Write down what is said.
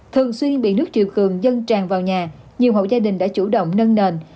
thường xuyên bị nước triều cường dân tràn vào nhà nhiều hộ gia đình đã chủ động nâng nền